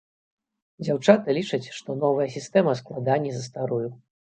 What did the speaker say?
Дзяўчаты лічаць, што новая сістэма складаней за старую.